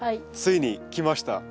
ついにきました。